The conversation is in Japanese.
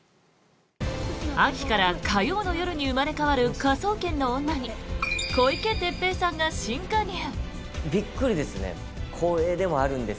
秋から火曜の夜に生まれ変わる「科捜研の女」に小池徹平さんが新加入。